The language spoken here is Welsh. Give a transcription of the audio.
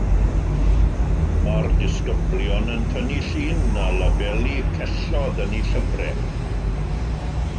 Mae'r disgyblion yn tynnu llun a labelu celloedd yn eu llyfrau